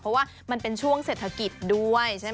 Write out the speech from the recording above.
เพราะว่ามันเป็นช่วงเศรษฐกิจด้วยใช่ไหม